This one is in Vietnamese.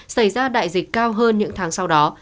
xảy ra đại dịch cao hơn những tháng sau đó